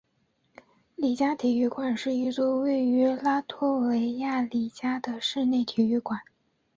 里加体育馆是一座位于拉脱维亚里加的室内体育馆。